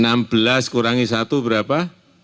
enam belas kurangi satu berapa